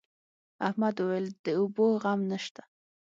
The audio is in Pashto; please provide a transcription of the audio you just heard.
احمد وويل: د اوبو غم نشته.